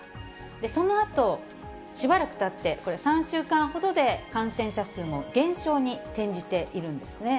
そのあとしばらくたって、これ、３週間ほどで、感染者数も減少に転じているんですね。